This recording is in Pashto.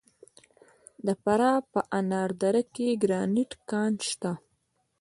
د فراه په انار دره کې د ګرانیټ کان شته.